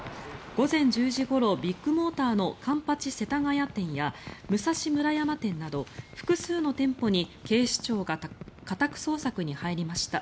午前１０時ごろビッグモーターの環八世田谷店や武蔵村山店など複数の店舗に警視庁が家宅捜索に入りました。